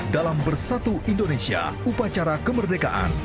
dalam bersatu indonesia upacara kemerdekaan